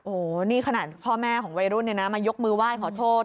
โอ้นี่ขนาดพ่อแม่ของวัยรุ่นมายกมือไหว้ขอโทษ